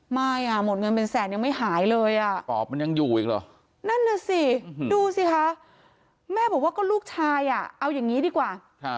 แม่บอกว่าก็ลูกชายเอาอย่างนี้ดีกว่า